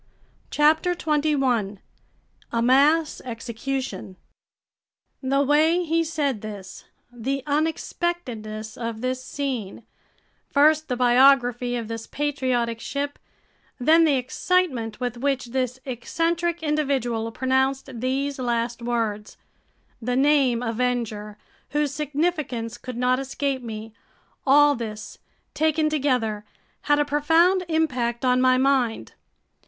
CHAPTER 21 A Mass Execution THE WAY HE SAID THIS, the unexpectedness of this scene, first the biography of this patriotic ship, then the excitement with which this eccentric individual pronounced these last words—the name Avenger whose significance could not escape me—all this, taken together, had a profound impact on my mind.